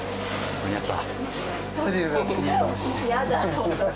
間に合った。